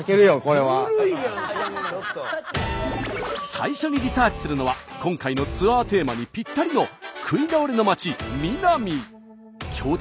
最初にリサーチするのは今回のツアーテーマにぴったりの強敵